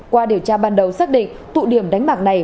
qua điều tra ban đầu xác định tụ điểm đánh bạc này